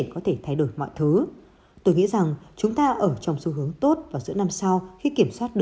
có thể thay đổi mọi thứ tôi nghĩ rằng chúng ta ở trong xu hướng tốt vào giữa năm sau khi kiểm soát được